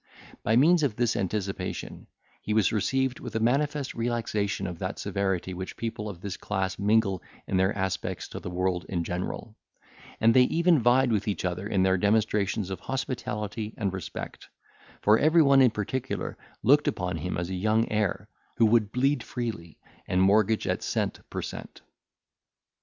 —By means of this anticipation he was received with a manifest relaxation of that severity which people of this class mingle in their aspects to the world in general; and they even vied with each other in their demonstrations of hospitality and respect; for every one in particular looked upon him as a young heir, who would bleed freely, and mortgage at cent. per cent.